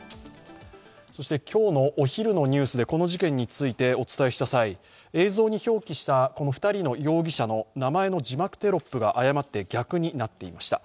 そして今日のお昼のニュースでこの事件についてお伝えした際、映像に表記したこの２人の容疑者の名前の字幕テロップが誤って逆になっていました。